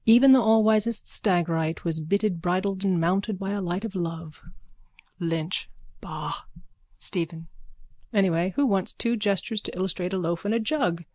Even the allwisest Stagyrite was bitted, bridled and mounted by a light of love. LYNCH: Ba! STEPHEN: Anyway, who wants two gestures to illustrate a loaf and a jug?